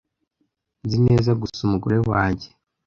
nzi neza gusa umugore wanjye